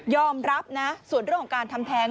รับนะส่วนเรื่องของการทำแทง